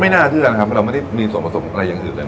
น่าเชื่อนะครับเราไม่ได้มีส่วนผสมอะไรอย่างอื่นเลย